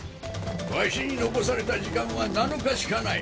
ワシに残された時間は７日しかない。